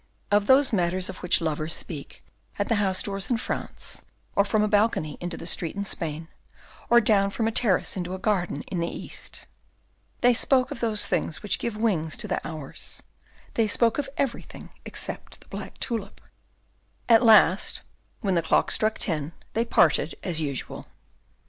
Of those matters of which lovers speak at the house doors in France, or from a balcony into the street in Spain, or down from a terrace into a garden in the East. They spoke of those things which give wings to the hours; they spoke of everything except the black tulip. At last, when the clock struck ten, they parted as usual.